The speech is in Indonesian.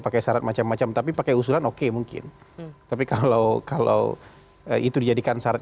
pakai syarat macam macam tapi pakai usulan oke mungkin tapi kalau kalau itu dijadikan syarat